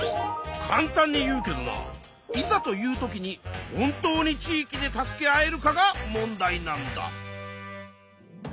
かん単に言うけどないざという時に本当に地域で助け合えるかが問題なんだ。